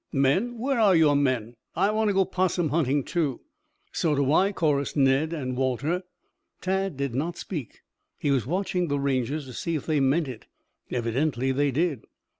"Men? Where are your men? I want to go 'possum hunting, too." "So do I," chorused Ned and Walter. Tad did not speak. He was watching the Rangers to see if they meant it. Evidently they did.